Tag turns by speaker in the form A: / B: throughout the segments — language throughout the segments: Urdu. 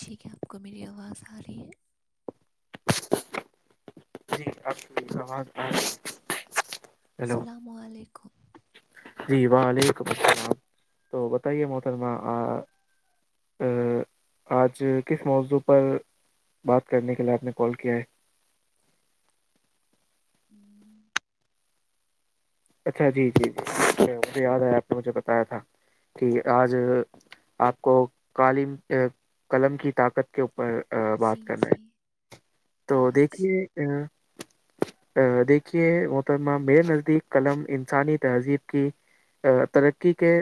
A: جی کیا آپ کو میری آواز آ رہی ہے
B: ج آب کو سوال آ ہیلو
A: السلام علیکم
B: جی وعلیکم السلام تو بتائیے محترمہ آج کس موضوع پر بات کرنے کے لیے آپ نے کال کیا ہے
A: ہوں
B: اچھا جی جی جی مجھے یاد آیا آپ نے مجھے بتایا تھا ٹھیک ہے آج آپ کو قالم قلم کی طاقت کے اوپر
A: جی
B: بات کرناے
A: جی
B: تو
A: آج
B: دیکھیے ا ا دیکھیے محترمہ میرے نزدیک قلم انسانی تہذیب کی ترقی کے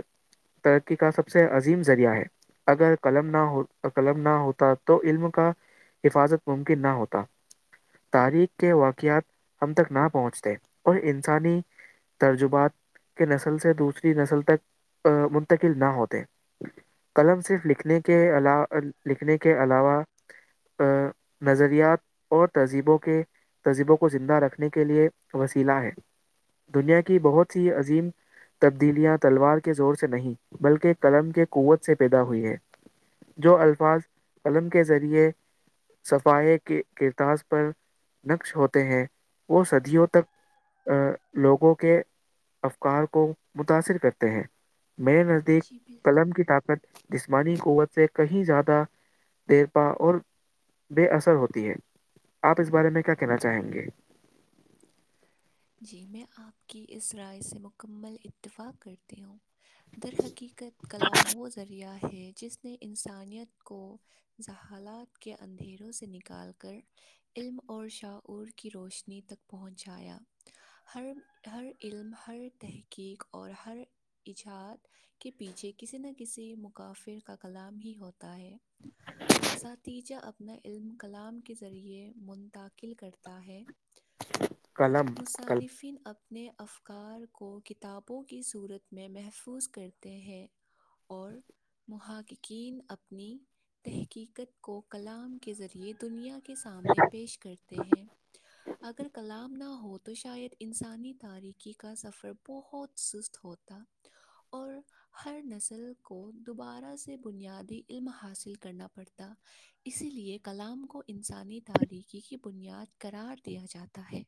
B: ترقی کا سب سے عظیم ذریعہ ہے اگر قلم نہ ہو قلم نہ ہوتا تو علم کا حفاظت ممکن نہ ہوتا تاریخ کے واقعات ہم تک نہ پہنچتے اور انسانی ترجبات کے نسل سے دوسری نسل تک منتقل نہ ہوتے قلم صرف لکھنے کے ع لکھنے کے علاوہ نظریات اور تہذیبوں کے تہذیبوں کو زندہ رکھنے کے لے وسیلا ہے دنیا کی بہت سی عظیم تبدیلیاں تلوار کے زور سے نہیں بلکہ قلم کے قوت سے پیدا ہوئی ہے جو الفاظ قلم کے ذریعے صفائیے کے کرتاس پر نقش ہوتے ہیں وہ صدیوں تک لوگوں کے افکار کو متاثر کرتے ہیں می نظر دیکھ
A: جی بالکل
B: قلم کی طاقت جسمانی قوت سے کہیں زیادہ دیرپا اور بے اثر ہوتی ہے آپ اس بارے میں کیا کہنا چاہیں گے
A: جی میں آپ کی اس رائے سے مکمل اتفاق کرتی ہوں درحقیقت کلام وہ ذریعہ ہے جس نے انسانیت کو زہالات کے اندھیروں سے نکال کر علم اور شاعور کی روشنی تک پہنچایا ہر ہر علم ہر تحقیق اور ہر ایجاد کے پیچھے کسی نہ کسی مکافر کا کلام ہی ہوتا اہے اساتیجہ اپنا علم کلام کے ذریعے منتقل کرتا ہے
B: [unintelligible]
A: مصانفین اب اپنے افکار کو کتابوں کی صورت میں محفوظ کرتے ہیں اور محققین اپنی تحقیقت کو کلام کے ذریعے دنیا کے سامنے پیش کرتے ہیں اگر کلام نہ ہو ہو تو شاید انسانی تاریکی کا سفر بہت سست ہوتا اور ہر نسل کو دوبارہ سے بنیادی علم حاصل کرنا پڑتا اسی لیے کلام کو انسانی تارییکی کی بنیاد قرار دیا جاتا ہے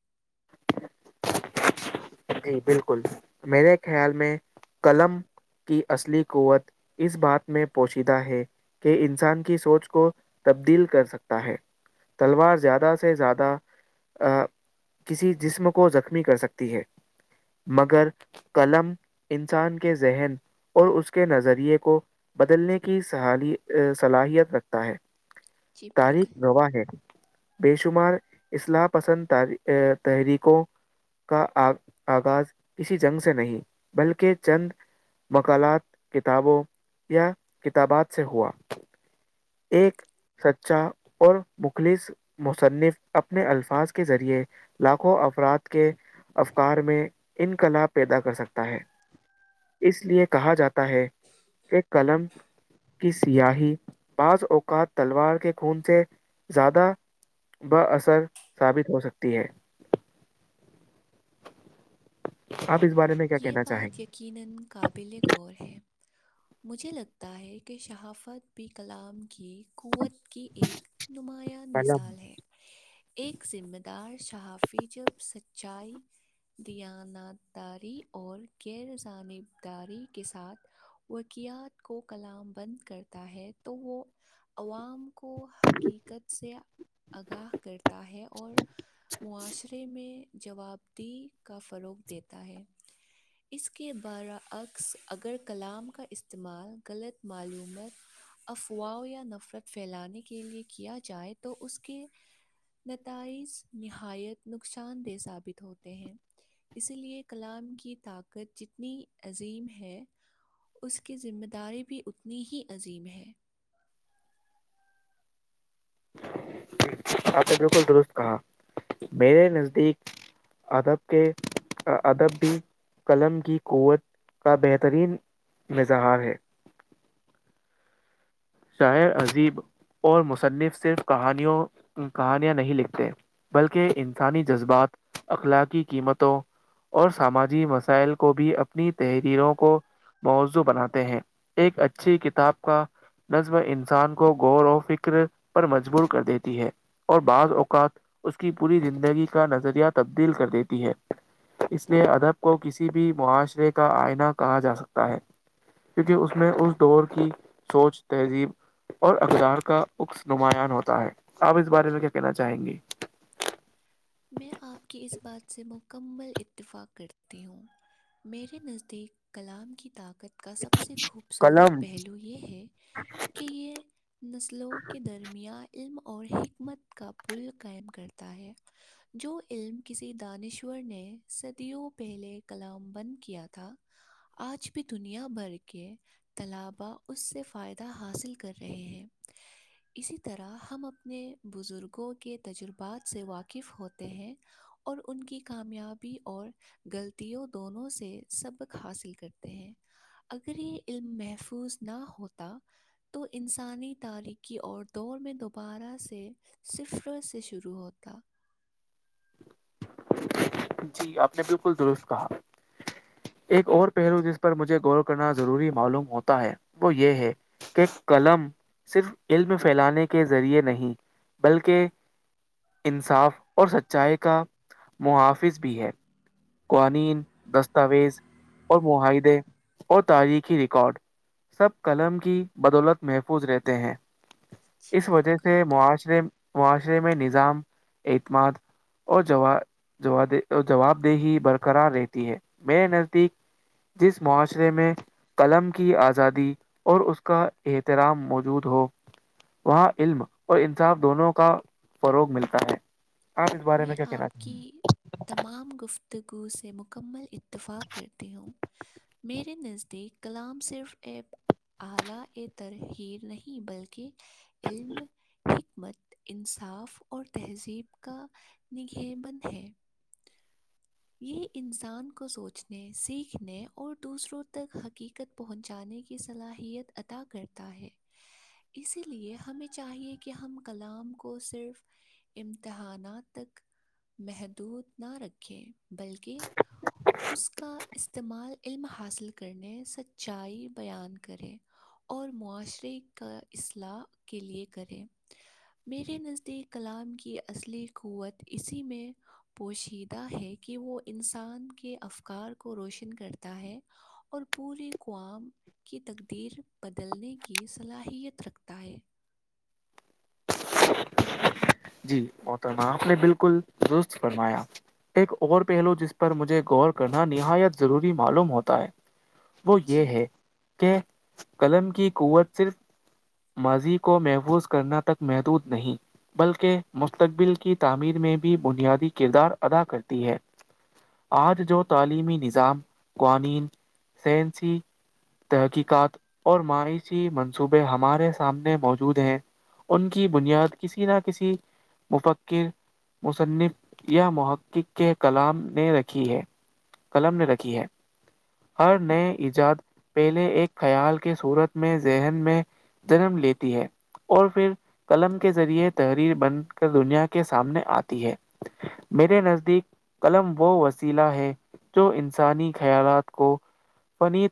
B: جی بالکل میرے خیال میں قلم کی اصلی قوت اس بات میں پوشیدہ ہے کہ انسان کی سوچ کو تبدیل کر سکتا ہے تلوار زیادہ سے زیادہ کسی جسم کو زخمی کر سکتی ہے مگر قلم انسان کے ذہن اور اس کے نظریے کو بدلنے کیی صلاحیت رکھتا ہے
A: جی
B: تاریخ
A: بالکل
B: نوا ہے بے شمار اصلاح پسند تحریکوں کا آ آغاز کسی جنگ سے نہیں بلکہ چند مقالات کتابوں یا کتابات سے ہوا ایک سچا اور بکلیس مصنف اپنے الفاظ کے ذریعے لاکھوں افراد کے کار میں انقلاب پیدا کر سکتا ہے اس لیے کہا جاتا ہے کہ قلم کی سیاحی بعض اوقات تلوار کے خون سے زیادہ ب اثر ثابت ہو سکتی ہے آپ اس بارے میں کیا
A: یہ
B: کہنا چاہیں
A: بات
B: گے
A: یقینا قابل غور ہے مجھے لگتا ہے کہ شہافت بھی کلام کی قوت کی ایک نمایاں
B: قلم،
A: مثال ہے ایک ذمہ دار صحافی جب سچائی دانات داری اور غیرجانبداری کے ساتھ وکیات کو کلام بند کرتا ہے تو وہ عوام کو حقیقت سے آگاہ کرتا ہے اور معاشرے میں جواب دیی کا فروغ دیتا ہے اس کے برعکس اگر کلام کا استعمال غلط معلومات افواہ یا نفرت پھیلانے کے لیے کیا جائے تو اس کے نتائج نہایت نقصان دہ ثابت ہوتے ہیں اسی لیے کلام کی طاقت جتنی عظیم ہے اس کی ذمہ داری بھی اتنی ہی عظیم ہے
B: اچھا بالکل درست کہا میرے نزدیک ادب کے ادب بھی قلم کی قوت کا بہترین مظہار ہے شاعر عذیب اور مصنف صرف کہانیوں کہانیاں نہیں لکھتے بلکہ انسانی جذبات اخلاقی قیمتوں اور سماجی مسائل کو بھی اپنی تحریروں کو موضوع بناتے ہیں ایک اچھی کتاب کا نظم انسان کو غور و فکر پر مجبور کر دیتی ہے اور بعض اوقات اس کی پوری زندگی کا نظریہ تبدیل کر دیتی ہے اس لیے ادب کو کسی بھی معاشرے کا آئناہ کہا جا سکتا ہے کیونکہ اس میں اس دور کی سوچ تہذیب اور اقدار کا اکس نماں ہوتا ہے آپ اس بارے میں کیا کہنا چاہیں گی
A: میں آپ کی اس بات سے مکمل اتفاق کرتی ہوں میرے نزدیک کلام کی طاقت کا سب سے خوبصورت
B: قلم
A: پہلو یہ ہے کہ یہ [unintelligible] نسلوں کے درمیان علم اور حکمت کا پل قائم کرتا ہے جو علم کسی دانشور نے صدیوں پہلے کلام بند کیا تھا آج بھی دنیا بھر کے طلباء اس سے فائدہ حاصل کر رہے ہیں اسی طرح ہم اپنے بزرگوں کے تجربات سے واقف ہوتے ہیں اور ان کی کامیابی اور غلطوں دونوں سے سبق حاصل کرتے ہیں اگر یہ علم محفوظ نہ ہوتا تو انسانی تاریخی اور دور میں دوبارہ سے صرف روز سے شروع ہوتا
B: جی آپ نے بالکل درست کہا ایک اور پہلو جس پر مجھے غور کرنا ضروری معلوم ہوتا ہے وہ یہ ہے کہ قلم صرف علم پھیلانے کے ذریعے نہیں بلکہ انصاف اور سچائی کا محافظ بھی ہے قوانین دستاویز اور معاہدے اور تاریخی ریکارڈ سب قلم کی بدولت محفوظ رہتے ہیں
A: جی
B: اس وجہ
A: بالکل
B: سے معاشرے معاشرے میں نظام اعتماد جوابدہی برقرار رہتی ہے میںیر نزدیک جس معاشرے میں قلم کی آزادی اور اس کا احترام موجود ہو وہاں علم اور انصاف دونوں کا فروغ ملتا ہے آپ اس بارے
A: میں
B: کیا کہنا
A: آپ
B: چاہیں
A: کی تمام گفتگو سے مکمل اتفاق کرتی ہوں میرے نزدیک کلام صرف ایپ اعلی ا تر ہیر نہیں بلکہ علم حکمت انصاف اور تہذیب کا نگے بند ہے یہ انسان کو سوچنے سیکھنے اور دوسروں تک حقیق پہنچانے کی صلاحیت ادا کرتا ہے اسی لیے ہمیں چاہیے کہ ہم کلام کو صرف امتحانات تک محدود نہ رکھے بلکہ اس کا استعمال علم حاصل کرنے سچائی بیان کرے اور معاشرے کا اصلاح کے لئے کریں میرے نزدیک کلام کی اصلی قوت اسی میں پوشیدہ ہے کہ وہ انسان کے افکار کو روشن کرتا ہے اور پورے کووام کی تقدیر بدلنے کی صلاحیت رکھتا ہے [inaudible] [inaudible]
B: جی متر آپ نے بالکل درست فرمایا ایک اور پہلو جس پر مجھے غور کرنا نہایت ضروری معلوم ہوتا ہے وہ یہ
A: جی
B: ہے کہ قلم کی قوت صرف ماضی کو محفوظ کرنا تک محدود نہیں بلکہ مستقبل کی تعمیر میں بھی بنیادی کردار ادا کرتی ہے آج جو تعلیمی نظام قوانین سنسی تحقیقات اور معایشی منصوبے ہمارے سامنے موجود ہیں ان کی بنیاد کسی نہ کسی مفکر مصنف یا محقق کے کلام نے رکھی ہے قلم نے رکھی ہے ہر نئے ایجاد پہلے ایک خیال کے صورت میں ذہن میں جنم لیتی ہے اور پھر قلم کے ذریعے تحریر بن کر دنیا کے سامنے آتی ہے میرے نزدیک قلم و وسیلا ہے جو انسانی خیالات کو فنی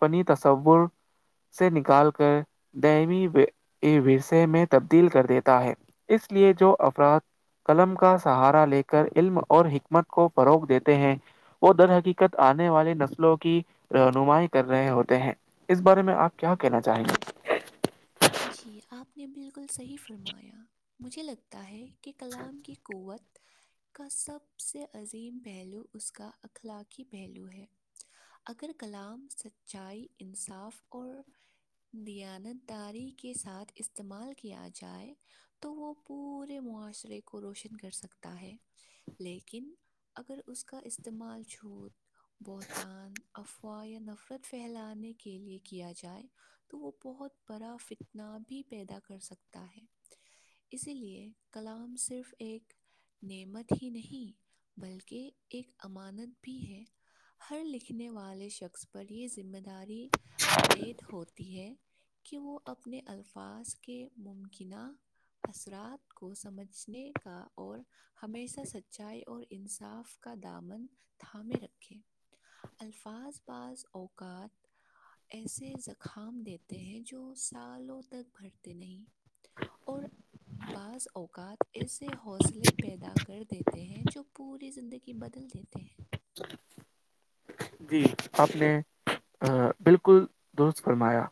B: فنی تصور سے نکال کر دوی رسے میں تبدیل کر دیتا ہے اس لیے جو افراد قلم کا سہارا لے کر علم اور حکمت کو فروغ دیتے ہیں وہ در حقیقت آنے والی نسلوں کی رہنمائی کر رہے ہوتے ہیں اس بارے میں آپ کیا کہنا چاہیں گے
A: جی آپ نے بالکل صحیح فرمایا مجھے لگتا ہے کے کلام کی قوت کا سب سے عظیم پہلو اس کا اخلاقی پہلو ہے اگر کلام سچائی انصاف اور دیانت داری کے ساتھ استعمال کیا جائے تو وہ پورے معاشرے کو روشن کر سکتا ہے لیکن اگر ا کا استعمال چھوٹ [unintelligible] بہتان افواہ یا نفرت پھیلانے کے لیے کیا جائے تو وہ بہت بڑا فتنا بھی پیدا کر سکتا ہے اسی لیے کلام صرف ایک نعمت ہی نہیں بلکہ ایک امانت بھی ہے ہر لکھنے والے شخص پر یہ ذمہ داری ایڈ ہوتی ہے کہ وہ اپنے الفاظ کے ممکنہ اثرات کو سمجھنے کا اور ہمیشہ سچائی اور انصاف کا دامن تھامے رکھے الفاظ بعض اوقات ایسے زکام دیتے ہیں جو سالوں تک بھرتے نہیں اور بعض اوقات ایسے حوصلے پیدا کر دیتے ہیں جو پوری زندگی کہ بدل دیتے ہیں
B: جی آپ نے ا بالکل درست فرمایا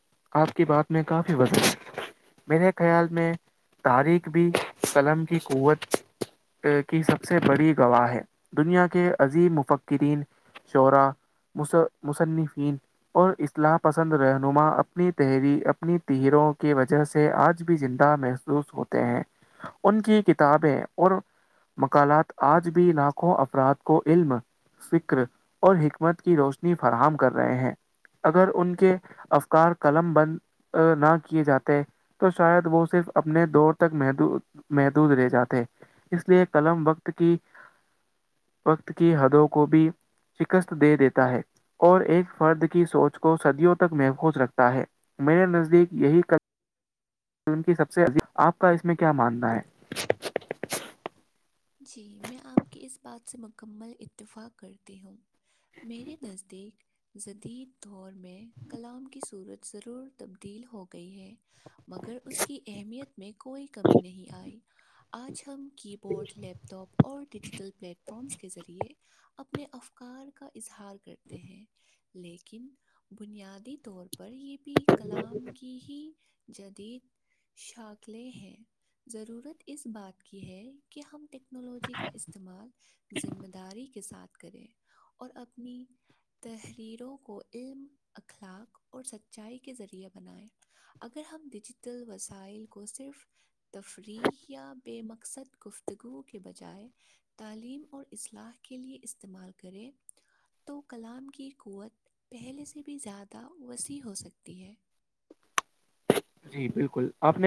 B: آپ کی بات میں کافی وزن ہے میرے خیال میں تاریخ بھی قلم کی قوت کی سب سے بڑی گواہ ہے دنیا کے عظیم مفکرین شعرا مس مصنفین [inaudible] اور اصلاح پسند رہنما اپنی تحری اپنی تہروں کی وجہ سے آج بھی زندہ محسو مو ہوتے ہیں ان کی کتابیں اور [unintelligible] مکالات آج بھی لاکھوں افراد کو علم فکر اور حک حکت کی روشنی فراہم کر رہے ہیں اگر ان کے افکار قلم بند نہ کیے جاتے تو شاید وہ صرف اپنے دور تک محدود محدود رہ جاتے اس لیے قلم وقت کی وقت کی حدوں کو بھی شکست دے دیتا ہے اور ایک فرد کی سوچ کو صدیوں تک محفوظ رکھتا ہے میں نے نزدیک یہی ک فلم کی سب سےد [inaudible] آپ کا اس میں کیا ماننا ہے
A: جی میں آپ کی اس بات سے مکمل اتفاق کرتی ہوں میرے نزدیک جدید دور میں کلام کی صورت ضرور تبدیل ہو گئی ہے مگر اس کی اہمیت میں کوئی کمی نہیں آئی آج ہم کی بورڈ لیپ ٹاپ اور ڈیجیٹل پلیٹفارمس کے ذریعے اپنے افکار کا اظہار کرتے ہیں لیکن بنیادی طور پر یہ بھی کلام کی ہی جدید شاخلیں ہیں ضرورت اس بات کی ہے کہ ہم ٹیکنالوجی کا استعمال ذمہ داریک ساتھ کریں [unintelligible] اور اپنی تحریروں کو علم اخلاق اور سچائی کے ذریعے بنائیں اگر ہم ڈیجیٹل وسائل کو صرف تفریح یا بے مقصد گفتگو کے بجائے تعلیم اور اصلاح کے لیے استعمال کرے تو کلام کی قوت پہلے سے بھی زیادہ وسیع ہو سکتی ہے
B: جی بالکل آپ نے